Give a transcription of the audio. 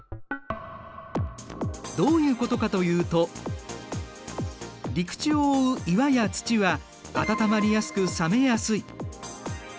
どういうことかというと陸地を覆う岩や土は温まりやすく冷めやすい。